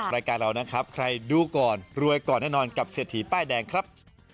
รายการเรานะครับใครดูก่อนรวยก่อนแน่นอนกับเศรษฐีป้ายแดงครับ